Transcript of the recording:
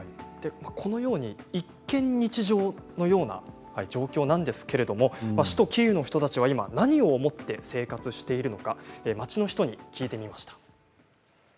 このように一見日常のような状況なんですけれど首都キーウの人たちは今何を思って生活しているのか町の人に聞いてみました。